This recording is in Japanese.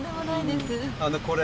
あのこれ。